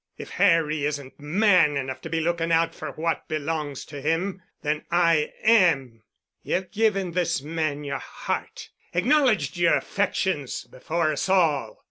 If Harry isn't man enough to be looking out fer what belongs to him, then I am. Ye've given this man yer heart, acknowledged yer affections before us all.